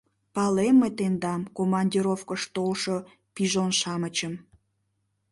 Палем мый тендам, командировкыш толшо пижон-шамычым.